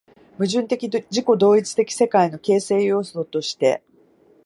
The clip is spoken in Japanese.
矛盾的自己同一的世界の形成要素として